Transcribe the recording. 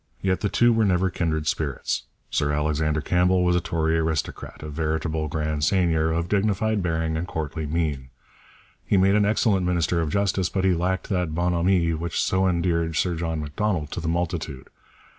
Yet the two were never kindred spirits. Sir Alexander Campbell was a Tory aristocrat, a veritable grand seigneur, of dignified bearing and courtly mien. He made an excellent minister of Justice, but he lacked that bonhomie which so endeared Sir John Macdonald to the multitude.